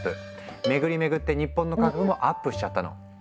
巡り巡って日本の価格もアップしちゃったの！